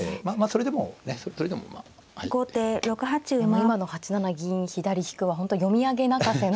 今の８七銀左引は本当読み上げ泣かせの。